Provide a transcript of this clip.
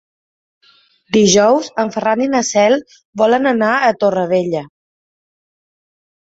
Dijous en Ferran i na Cel volen anar a Torrevella.